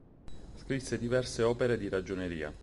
Scrisse diverse opere di ragioneria.